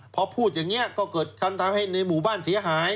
พอพูดอย่างนี้ก็เกิดการทำให้ในหมู่บ้านเสียหาย